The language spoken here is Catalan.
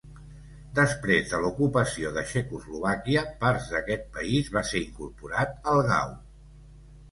Després de l'ocupació de Txecoslovàquia, parts d'aquest país va ser incorporat al Gau.